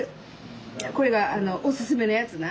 これがおすすめのやつな。